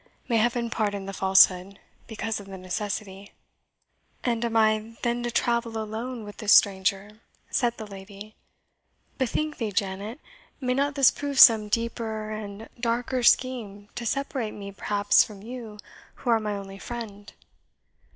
May Heaven pardon the falsehood, because of the necessity!" "And am I then to travel alone with this stranger?" said the lady. "Bethink thee, Janet, may not this prove some deeper and darker scheme to separate me perhaps from you, who are my only friend?"